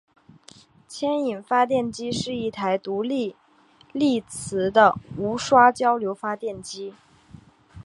牵引发电机是一台独立励磁的无刷交流发电机。